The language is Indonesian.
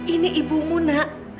ini ibu muna